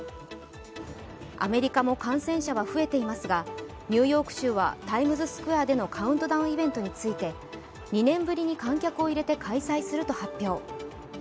アメリカも感染者は増えていますがニューヨーク州はタイムズスクエアでのカウントダウンイベントについて２年ぶりに観客を入れて開催すると発表。